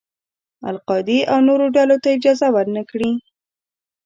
القاعدې او نورو ډلو ته اجازه ور نه کړي.